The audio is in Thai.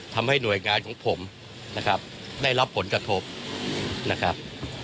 ทำให้หน่วยงานของผมนะครับได้รับผลกระทบนะครับ